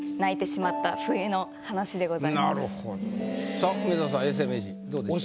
さあ梅沢さん永世名人どうでしょう？